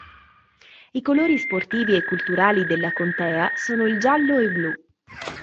I colori sportivi e culturali della contea sono il giallo e blu.